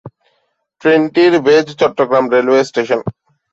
ট্রেনটির base Chattogram railway station.